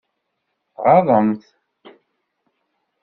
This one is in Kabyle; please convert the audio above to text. Tɣaḍemt-t?